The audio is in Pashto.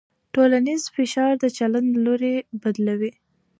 ټولنیز فشار د چلند لوری بدلوي.